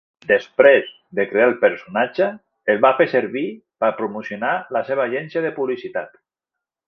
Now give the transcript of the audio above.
Després de crear el personatge, el va fer servir per promocionar la seva agència de publicitat.